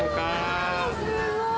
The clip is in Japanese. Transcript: すごい。